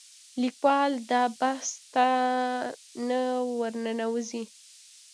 لیکوال دا بحث ته نه ورننوځي